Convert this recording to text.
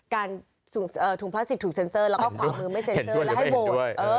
ถุงพลาสติกถูกเซ็นเซอร์แล้วก็ขวามือไม่เซ็นเซอร์แล้วให้โบสถ์